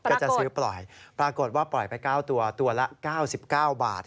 ก็จะซื้อปล่อยปรากฏว่าปล่อยไป๙ตัวตัวละ๙๙บาท